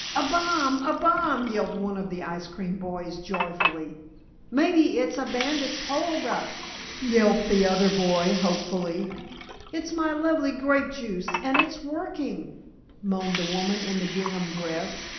"A bomb! A bomb!" yelled one of the ice cream boys joyfully. "Maybe it's a bandit's hold up," yelped the other boy, hopefully. "It's my lovely grape juice and it's working " moaned the woman in the gingham dress.